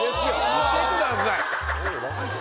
見てください